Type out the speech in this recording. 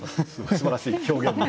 すばらしい表現で。